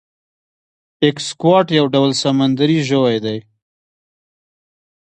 ایکسکوات یو ډول سمندری ژوی دی